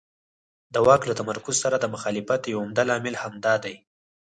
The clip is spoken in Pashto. د واک له تمرکز سره د مخالفت یو عمده لامل همدا دی.